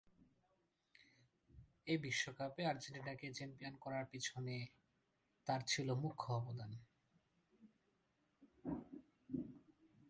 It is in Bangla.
ওই বিশ্বকাপে আর্জেন্টিনাকে চ্যাম্পিয়ন করার পেছনে তার ছিল মুখ্য অবদান।